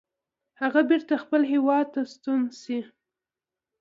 هغه بیرته خپل هیواد ته ستون شي.